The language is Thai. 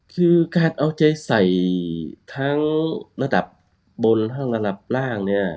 คือการเอาใจใส่ทั้งระดับบนทั้งระดับล่างเนี่ย